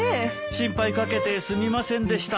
心配掛けてすみませんでした。